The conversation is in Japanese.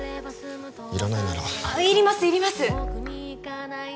いらないならあっいりますいります